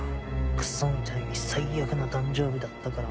クソみたいに最悪な誕生日だったからな。